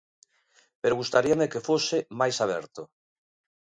Pero gustaríame que fose máis aberto.